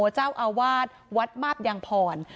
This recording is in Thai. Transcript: เจ้าอาวาสวัดมาบยางพร